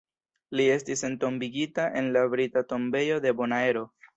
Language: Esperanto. Li estis entombigita en la Brita Tombejo de Bonaero.